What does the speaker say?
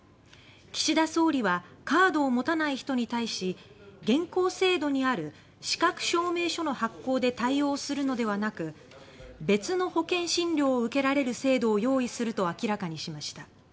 岸田総理はカードを持たない人に対し現行制度にある資格証明書の発行で対応するのではなく別の保険診療を受けられる制度を用意すると明らかにしました。